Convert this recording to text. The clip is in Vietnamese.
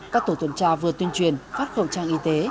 các tổ tuần tra vừa tuyên truyền phát khẩu trang y tế